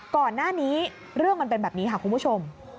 ก่อนหน้านี้เรื่องมันเป็นแบบนี้ค่ะคุณผู้ชม